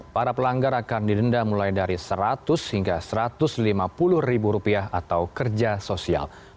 para pelanggar akan didenda mulai dari seratus hingga satu ratus lima puluh ribu rupiah atau kerja sosial